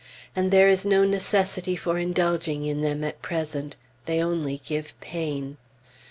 And there is no necessity for indulging in them at present; they only give pain.